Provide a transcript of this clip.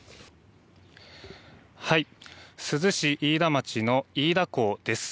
珠洲市飯田町の飯田港です。